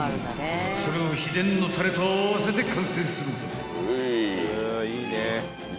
［それを秘伝のたれと合わせて完成する］